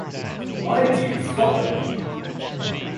Why do you follow me?